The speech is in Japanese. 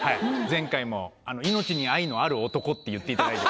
前回も「命に愛のある男」って言っていただいて。